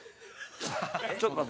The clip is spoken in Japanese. ちょっと待って。